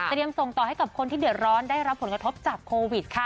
ส่งต่อให้กับคนที่เดือดร้อนได้รับผลกระทบจากโควิดค่ะ